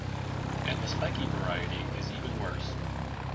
And the spiky variety is even worse.